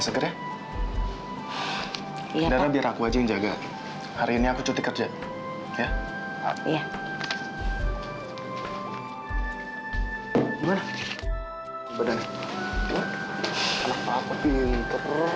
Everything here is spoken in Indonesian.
akhirnya biar aku aja yang jaga hari ini aku cuti kerja ya iya gimana